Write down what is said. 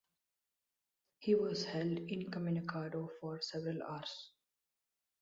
He was held incommunicado for several hours.